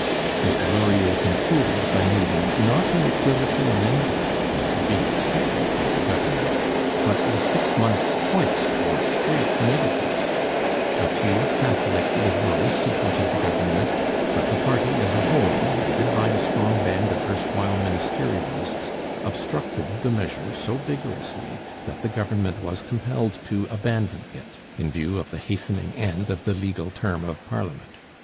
Mr Laurier concluded by moving, not an equivocal amendment, as had been expected by the Government, but the six months' hoist, or straight negative. A few Catholic Liberals supported the Government, but the party as a whole, aided by a strong band of erstwhile ministerialists, obstructed the measure so vigorously that the Government was compelled to abandon it, in view of the hastening end of the legal term of parliament.